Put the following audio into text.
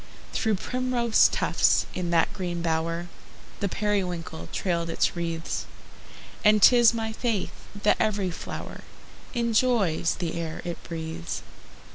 Through primrose tufts, in that green bower, The periwinkle trailed its wreaths; And 'tis my faith that every flower Enjoys the air it breathes.